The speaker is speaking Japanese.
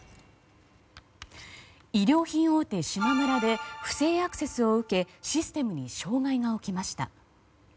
衣料品大手しまむらで不正アクセスを受けシステムに障害が起きました。